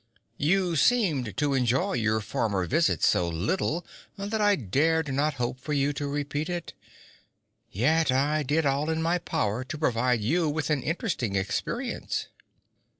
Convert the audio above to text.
You seemed to enjoy your former visit so little, that I dared not hope for you to repeat it. Yet I did all in my power to provide you with an interesting experience.'